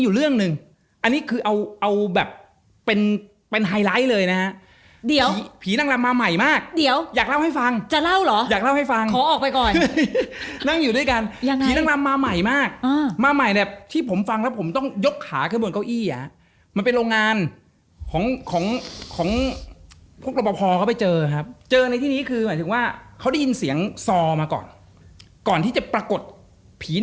ยุคนั้นสมัยนั้นย้อนกลับไปน่าจะสิบกว่าปี